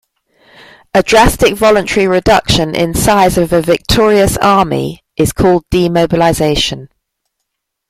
A drastic voluntary reduction in size of a victorious army is called demobilization.